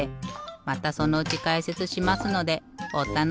またそのうちかいせつしますのでおたのしみに。